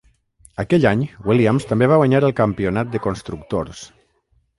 Aquell any, Williams també va guanyar el campionat de constructors.